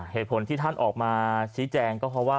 เหตุผลที่ท่านออกมาชี้แจงก็เพราะว่า